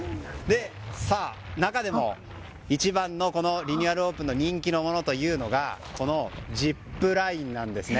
中でも一番のリニューアルオープンの人気のものというのがこのジップラインなんですね。